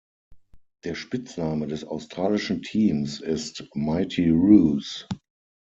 Der Spitzname des australischen Teams ist "Mighty Roos".